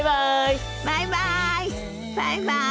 バイバイ！